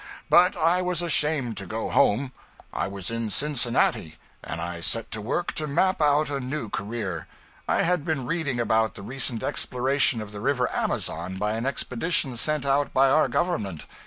But I was ashamed to go home. I was in Cincinnati, and I set to work to map out a new career. I had been reading about the recent exploration of the river Amazon by an expedition sent out by our government.